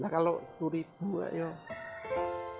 kalau suri buah yuk